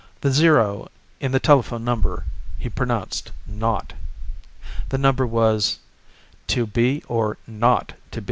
The zero in the telephone number he pronounced "naught." The number was: "2 B R 0 2 B."